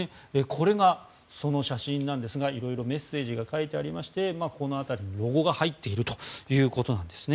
これがその写真なんですが色々メッセージが書いてありましてこの辺りにロゴが入っているということなんですね。